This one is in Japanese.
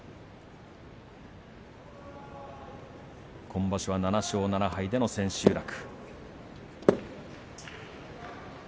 今場所は７勝７敗での千秋楽。